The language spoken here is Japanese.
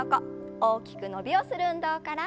大きく伸びをする運動から。